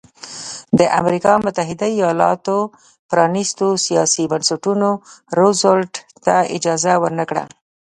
د امریکا متحده ایالتونو پرانیستو سیاسي بنسټونو روزولټ ته اجازه ورنه کړه.